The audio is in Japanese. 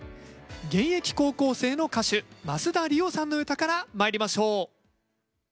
現役高校生の歌手増田吏桜さんの唄からまいりましょう。